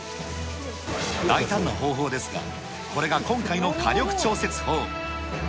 大胆な方法ですが、これが今回の火力調節法。